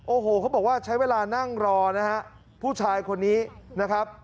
โอ้โหเขาบอกว่าใช้เวลานั่งรอนะฮะผู้ชายคนนี้นะครับ